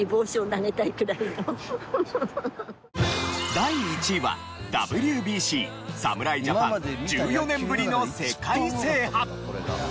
第１位はＷＢＣ侍ジャパン１４年ぶりの世界制覇。